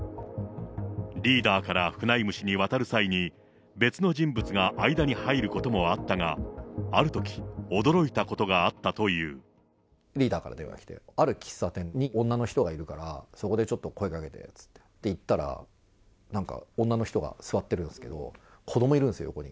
リーダーからフナイム氏にわたる際に、別の人物が間に入ることもあったが、あるとき、驚いたことがあっリーダーから電話がきて、ある喫茶店に女の人がいるから、そこでちょっと声かけてっていったら、なんか女の人が座ってるんですけど、子どもいるんですよ、横に。